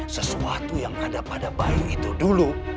sesuatu yang ada pada bayi itu dulu